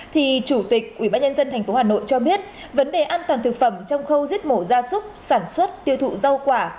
thì chủ tịch ubnd tp hà nội cho biết vấn đề an toàn thực phẩm trong khâu giết mổ ra súc sản xuất tiêu thụ rau quả